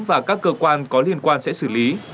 và các cơ quan có liên quan sẽ xử lý